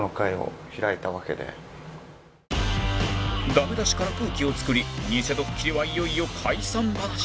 ダメ出しから空気を作り偽ドッキリはいよいよ解散話へ